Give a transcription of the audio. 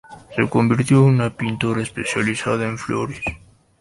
Se convirtió en una pintora especializada en flores.